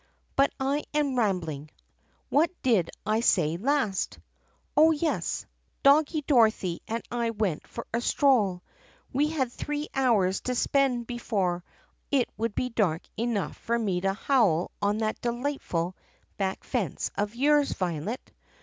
"But I am rambling. What did I say last*? Oh, yes! Doggie Dorothy and I went for a stroll. We had three hours to spend before it would be dark enough for me to howl on that delightful back fence of yours, Violet.